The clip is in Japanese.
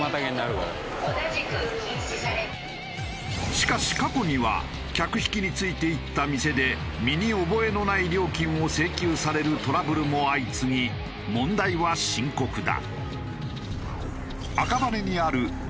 しかし過去には客引きについて行った店で身に覚えのない料金を請求されるトラブルも相次ぎ問題は深刻だ。